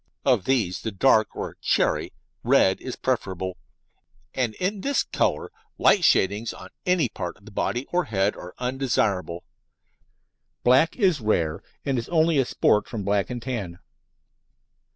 Of these the dark, or cherry, red is preferable, and in this colour light shadings on any part of the body or head are undesirable. "Black" is rare, and is only a sport from black and tan.